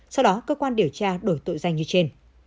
sau đó cơ quan điều tra đổi tội danh như trên